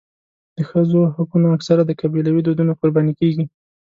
د ښځو حقونه اکثره د قبیلوي دودونو قرباني کېږي.